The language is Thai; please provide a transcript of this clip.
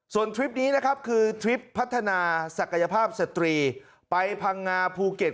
ส่วนทริปนี้นะครับคือทริปพัฒนาศักยภาพสตรีไปพังงาภูเก็ต